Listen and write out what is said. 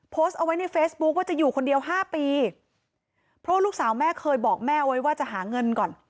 อ่าเอาไว้ในเฟซบุ๊คจะอยู่คนเดียวค่ำพ่อลูกสาวแม่เคยบอกแม่ไว้ว่าจะหาเงินก่อน